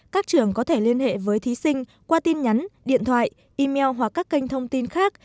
các trường có thể liên hệ với thí sinh qua tin nhắn điện thoại email hoặc các kênh thông tin khác